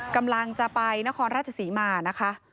กำลังจะไปนครราชศรีมานะคะ